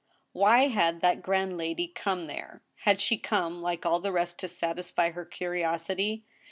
Why had that grand lady come there ? Had she come, like all the rest, to satisfy her curiosity